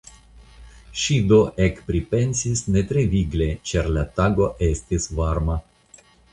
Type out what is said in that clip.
Ŝi do ekpripensis ne tre vigle ĉar la tago estis varma.